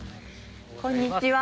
こんにちは。